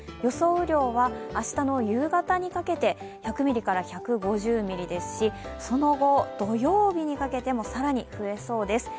雨量は明日の夕方にかけて１００ミリから１５０ミリですしその後、土曜日にかけても更に増えそうです。